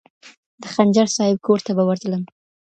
د خنجر صاحب کور ته به ورتلم.